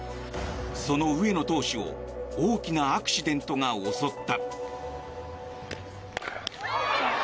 その上野投手を大きなアクシデントが襲った。